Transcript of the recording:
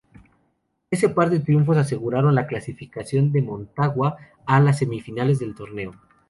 Ese par de triunfos aseguraron la clasificación de Motagua a las semifinales del torneo.